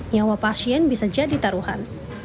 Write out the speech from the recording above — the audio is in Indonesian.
nyawa pasien bisa jadi taruhan